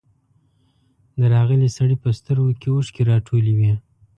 د راغلي سړي په سترګو کې اوښکې راټولې وې.